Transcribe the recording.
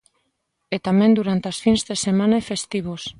E tamén durante as fins de semana e festivos.